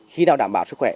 khi nào đảm bảo sức khỏe